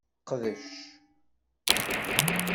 Qdec.